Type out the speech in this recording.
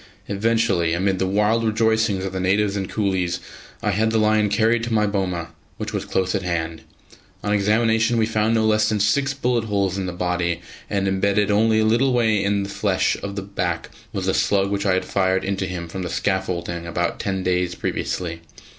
Eventually, amid the wild rejoicings of the natives and coolies, I had the lion carried to my boma, which was close at hand. On examination we found no less than six bullet holes in the body, and embedded only a little way in the flesh of the back was the slug which I had fired into him from the scaffolding about ten days previously.